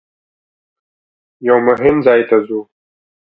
یوه مهم ځای ته ځو.